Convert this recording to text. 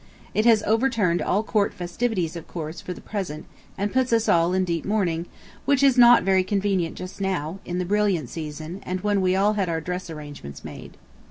It has overturned all court festivities, of course, for the present, and puts us all in deep mourning, which is not very convenient just now, in the brilliant season, and when we had all our dress arrangements made.